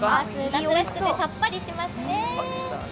夏らしくてさっぱりしますね。